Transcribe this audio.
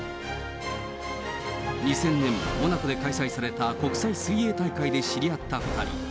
２０００年、モナコで開催された国際水泳大会で知り合った２人。